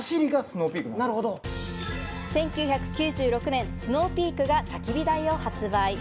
１９９６年、スノーピークがたき火台を発売。